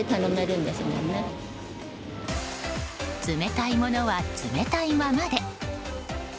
冷たいものは冷たいままで。